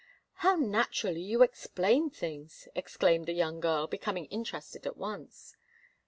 "How naturally you explain things!" exclaimed the young girl, becoming interested at once.